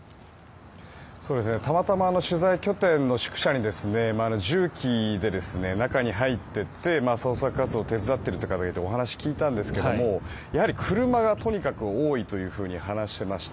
たまたま取材拠点の宿舎に重機で中に入っていって捜索活動を手伝っているという方がいてお話を聞いたんですがやはり車がとにかく多いと話していました。